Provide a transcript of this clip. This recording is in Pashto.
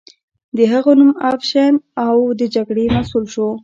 د هغه نوم افشین و او د جګړې مسؤل شو.